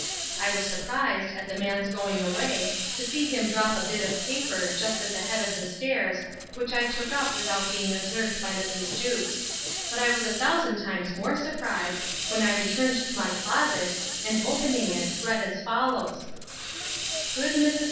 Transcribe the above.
—I was surprised, at the man's going away, to see him drop a bit of paper, just at the head of the stairs, which I took up without being observed by Mrs. Jewkes: but I was a thousand times more surprised, when I returned to my closet, and opening it read as follows: 'GOOD MRS.